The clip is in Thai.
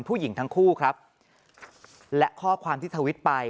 ผู้หญิงทั้งคู่ครับและข้อความที่ทวิตไป